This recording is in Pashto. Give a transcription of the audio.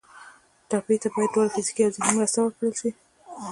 ټپي ته باید دواړه فزیکي او ذهني مرسته ورکړل شي.